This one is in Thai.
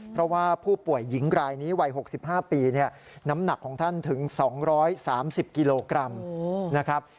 เพราะว่าผู้ป่วยหญิงรายนี้วัย๖๕ปีน้ำหนักของท่านถึง๒๓๐กิโลกรัมนะครับ